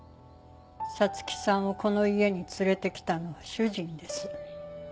彩月さんをこの家に連れてきたのは主人です。